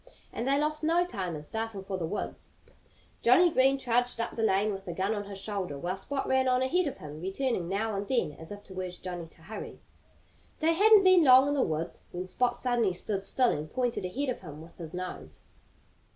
And they lost no time in starting for the woods. Johnnie Green trudged up the lane with the gun on his shoulder, while Spot ran on ahead of him, returning now and then as if to urge Johnnie to hurry. They hadn't been long in the woods when Spot suddenly stood still and pointed ahead of him with his nose.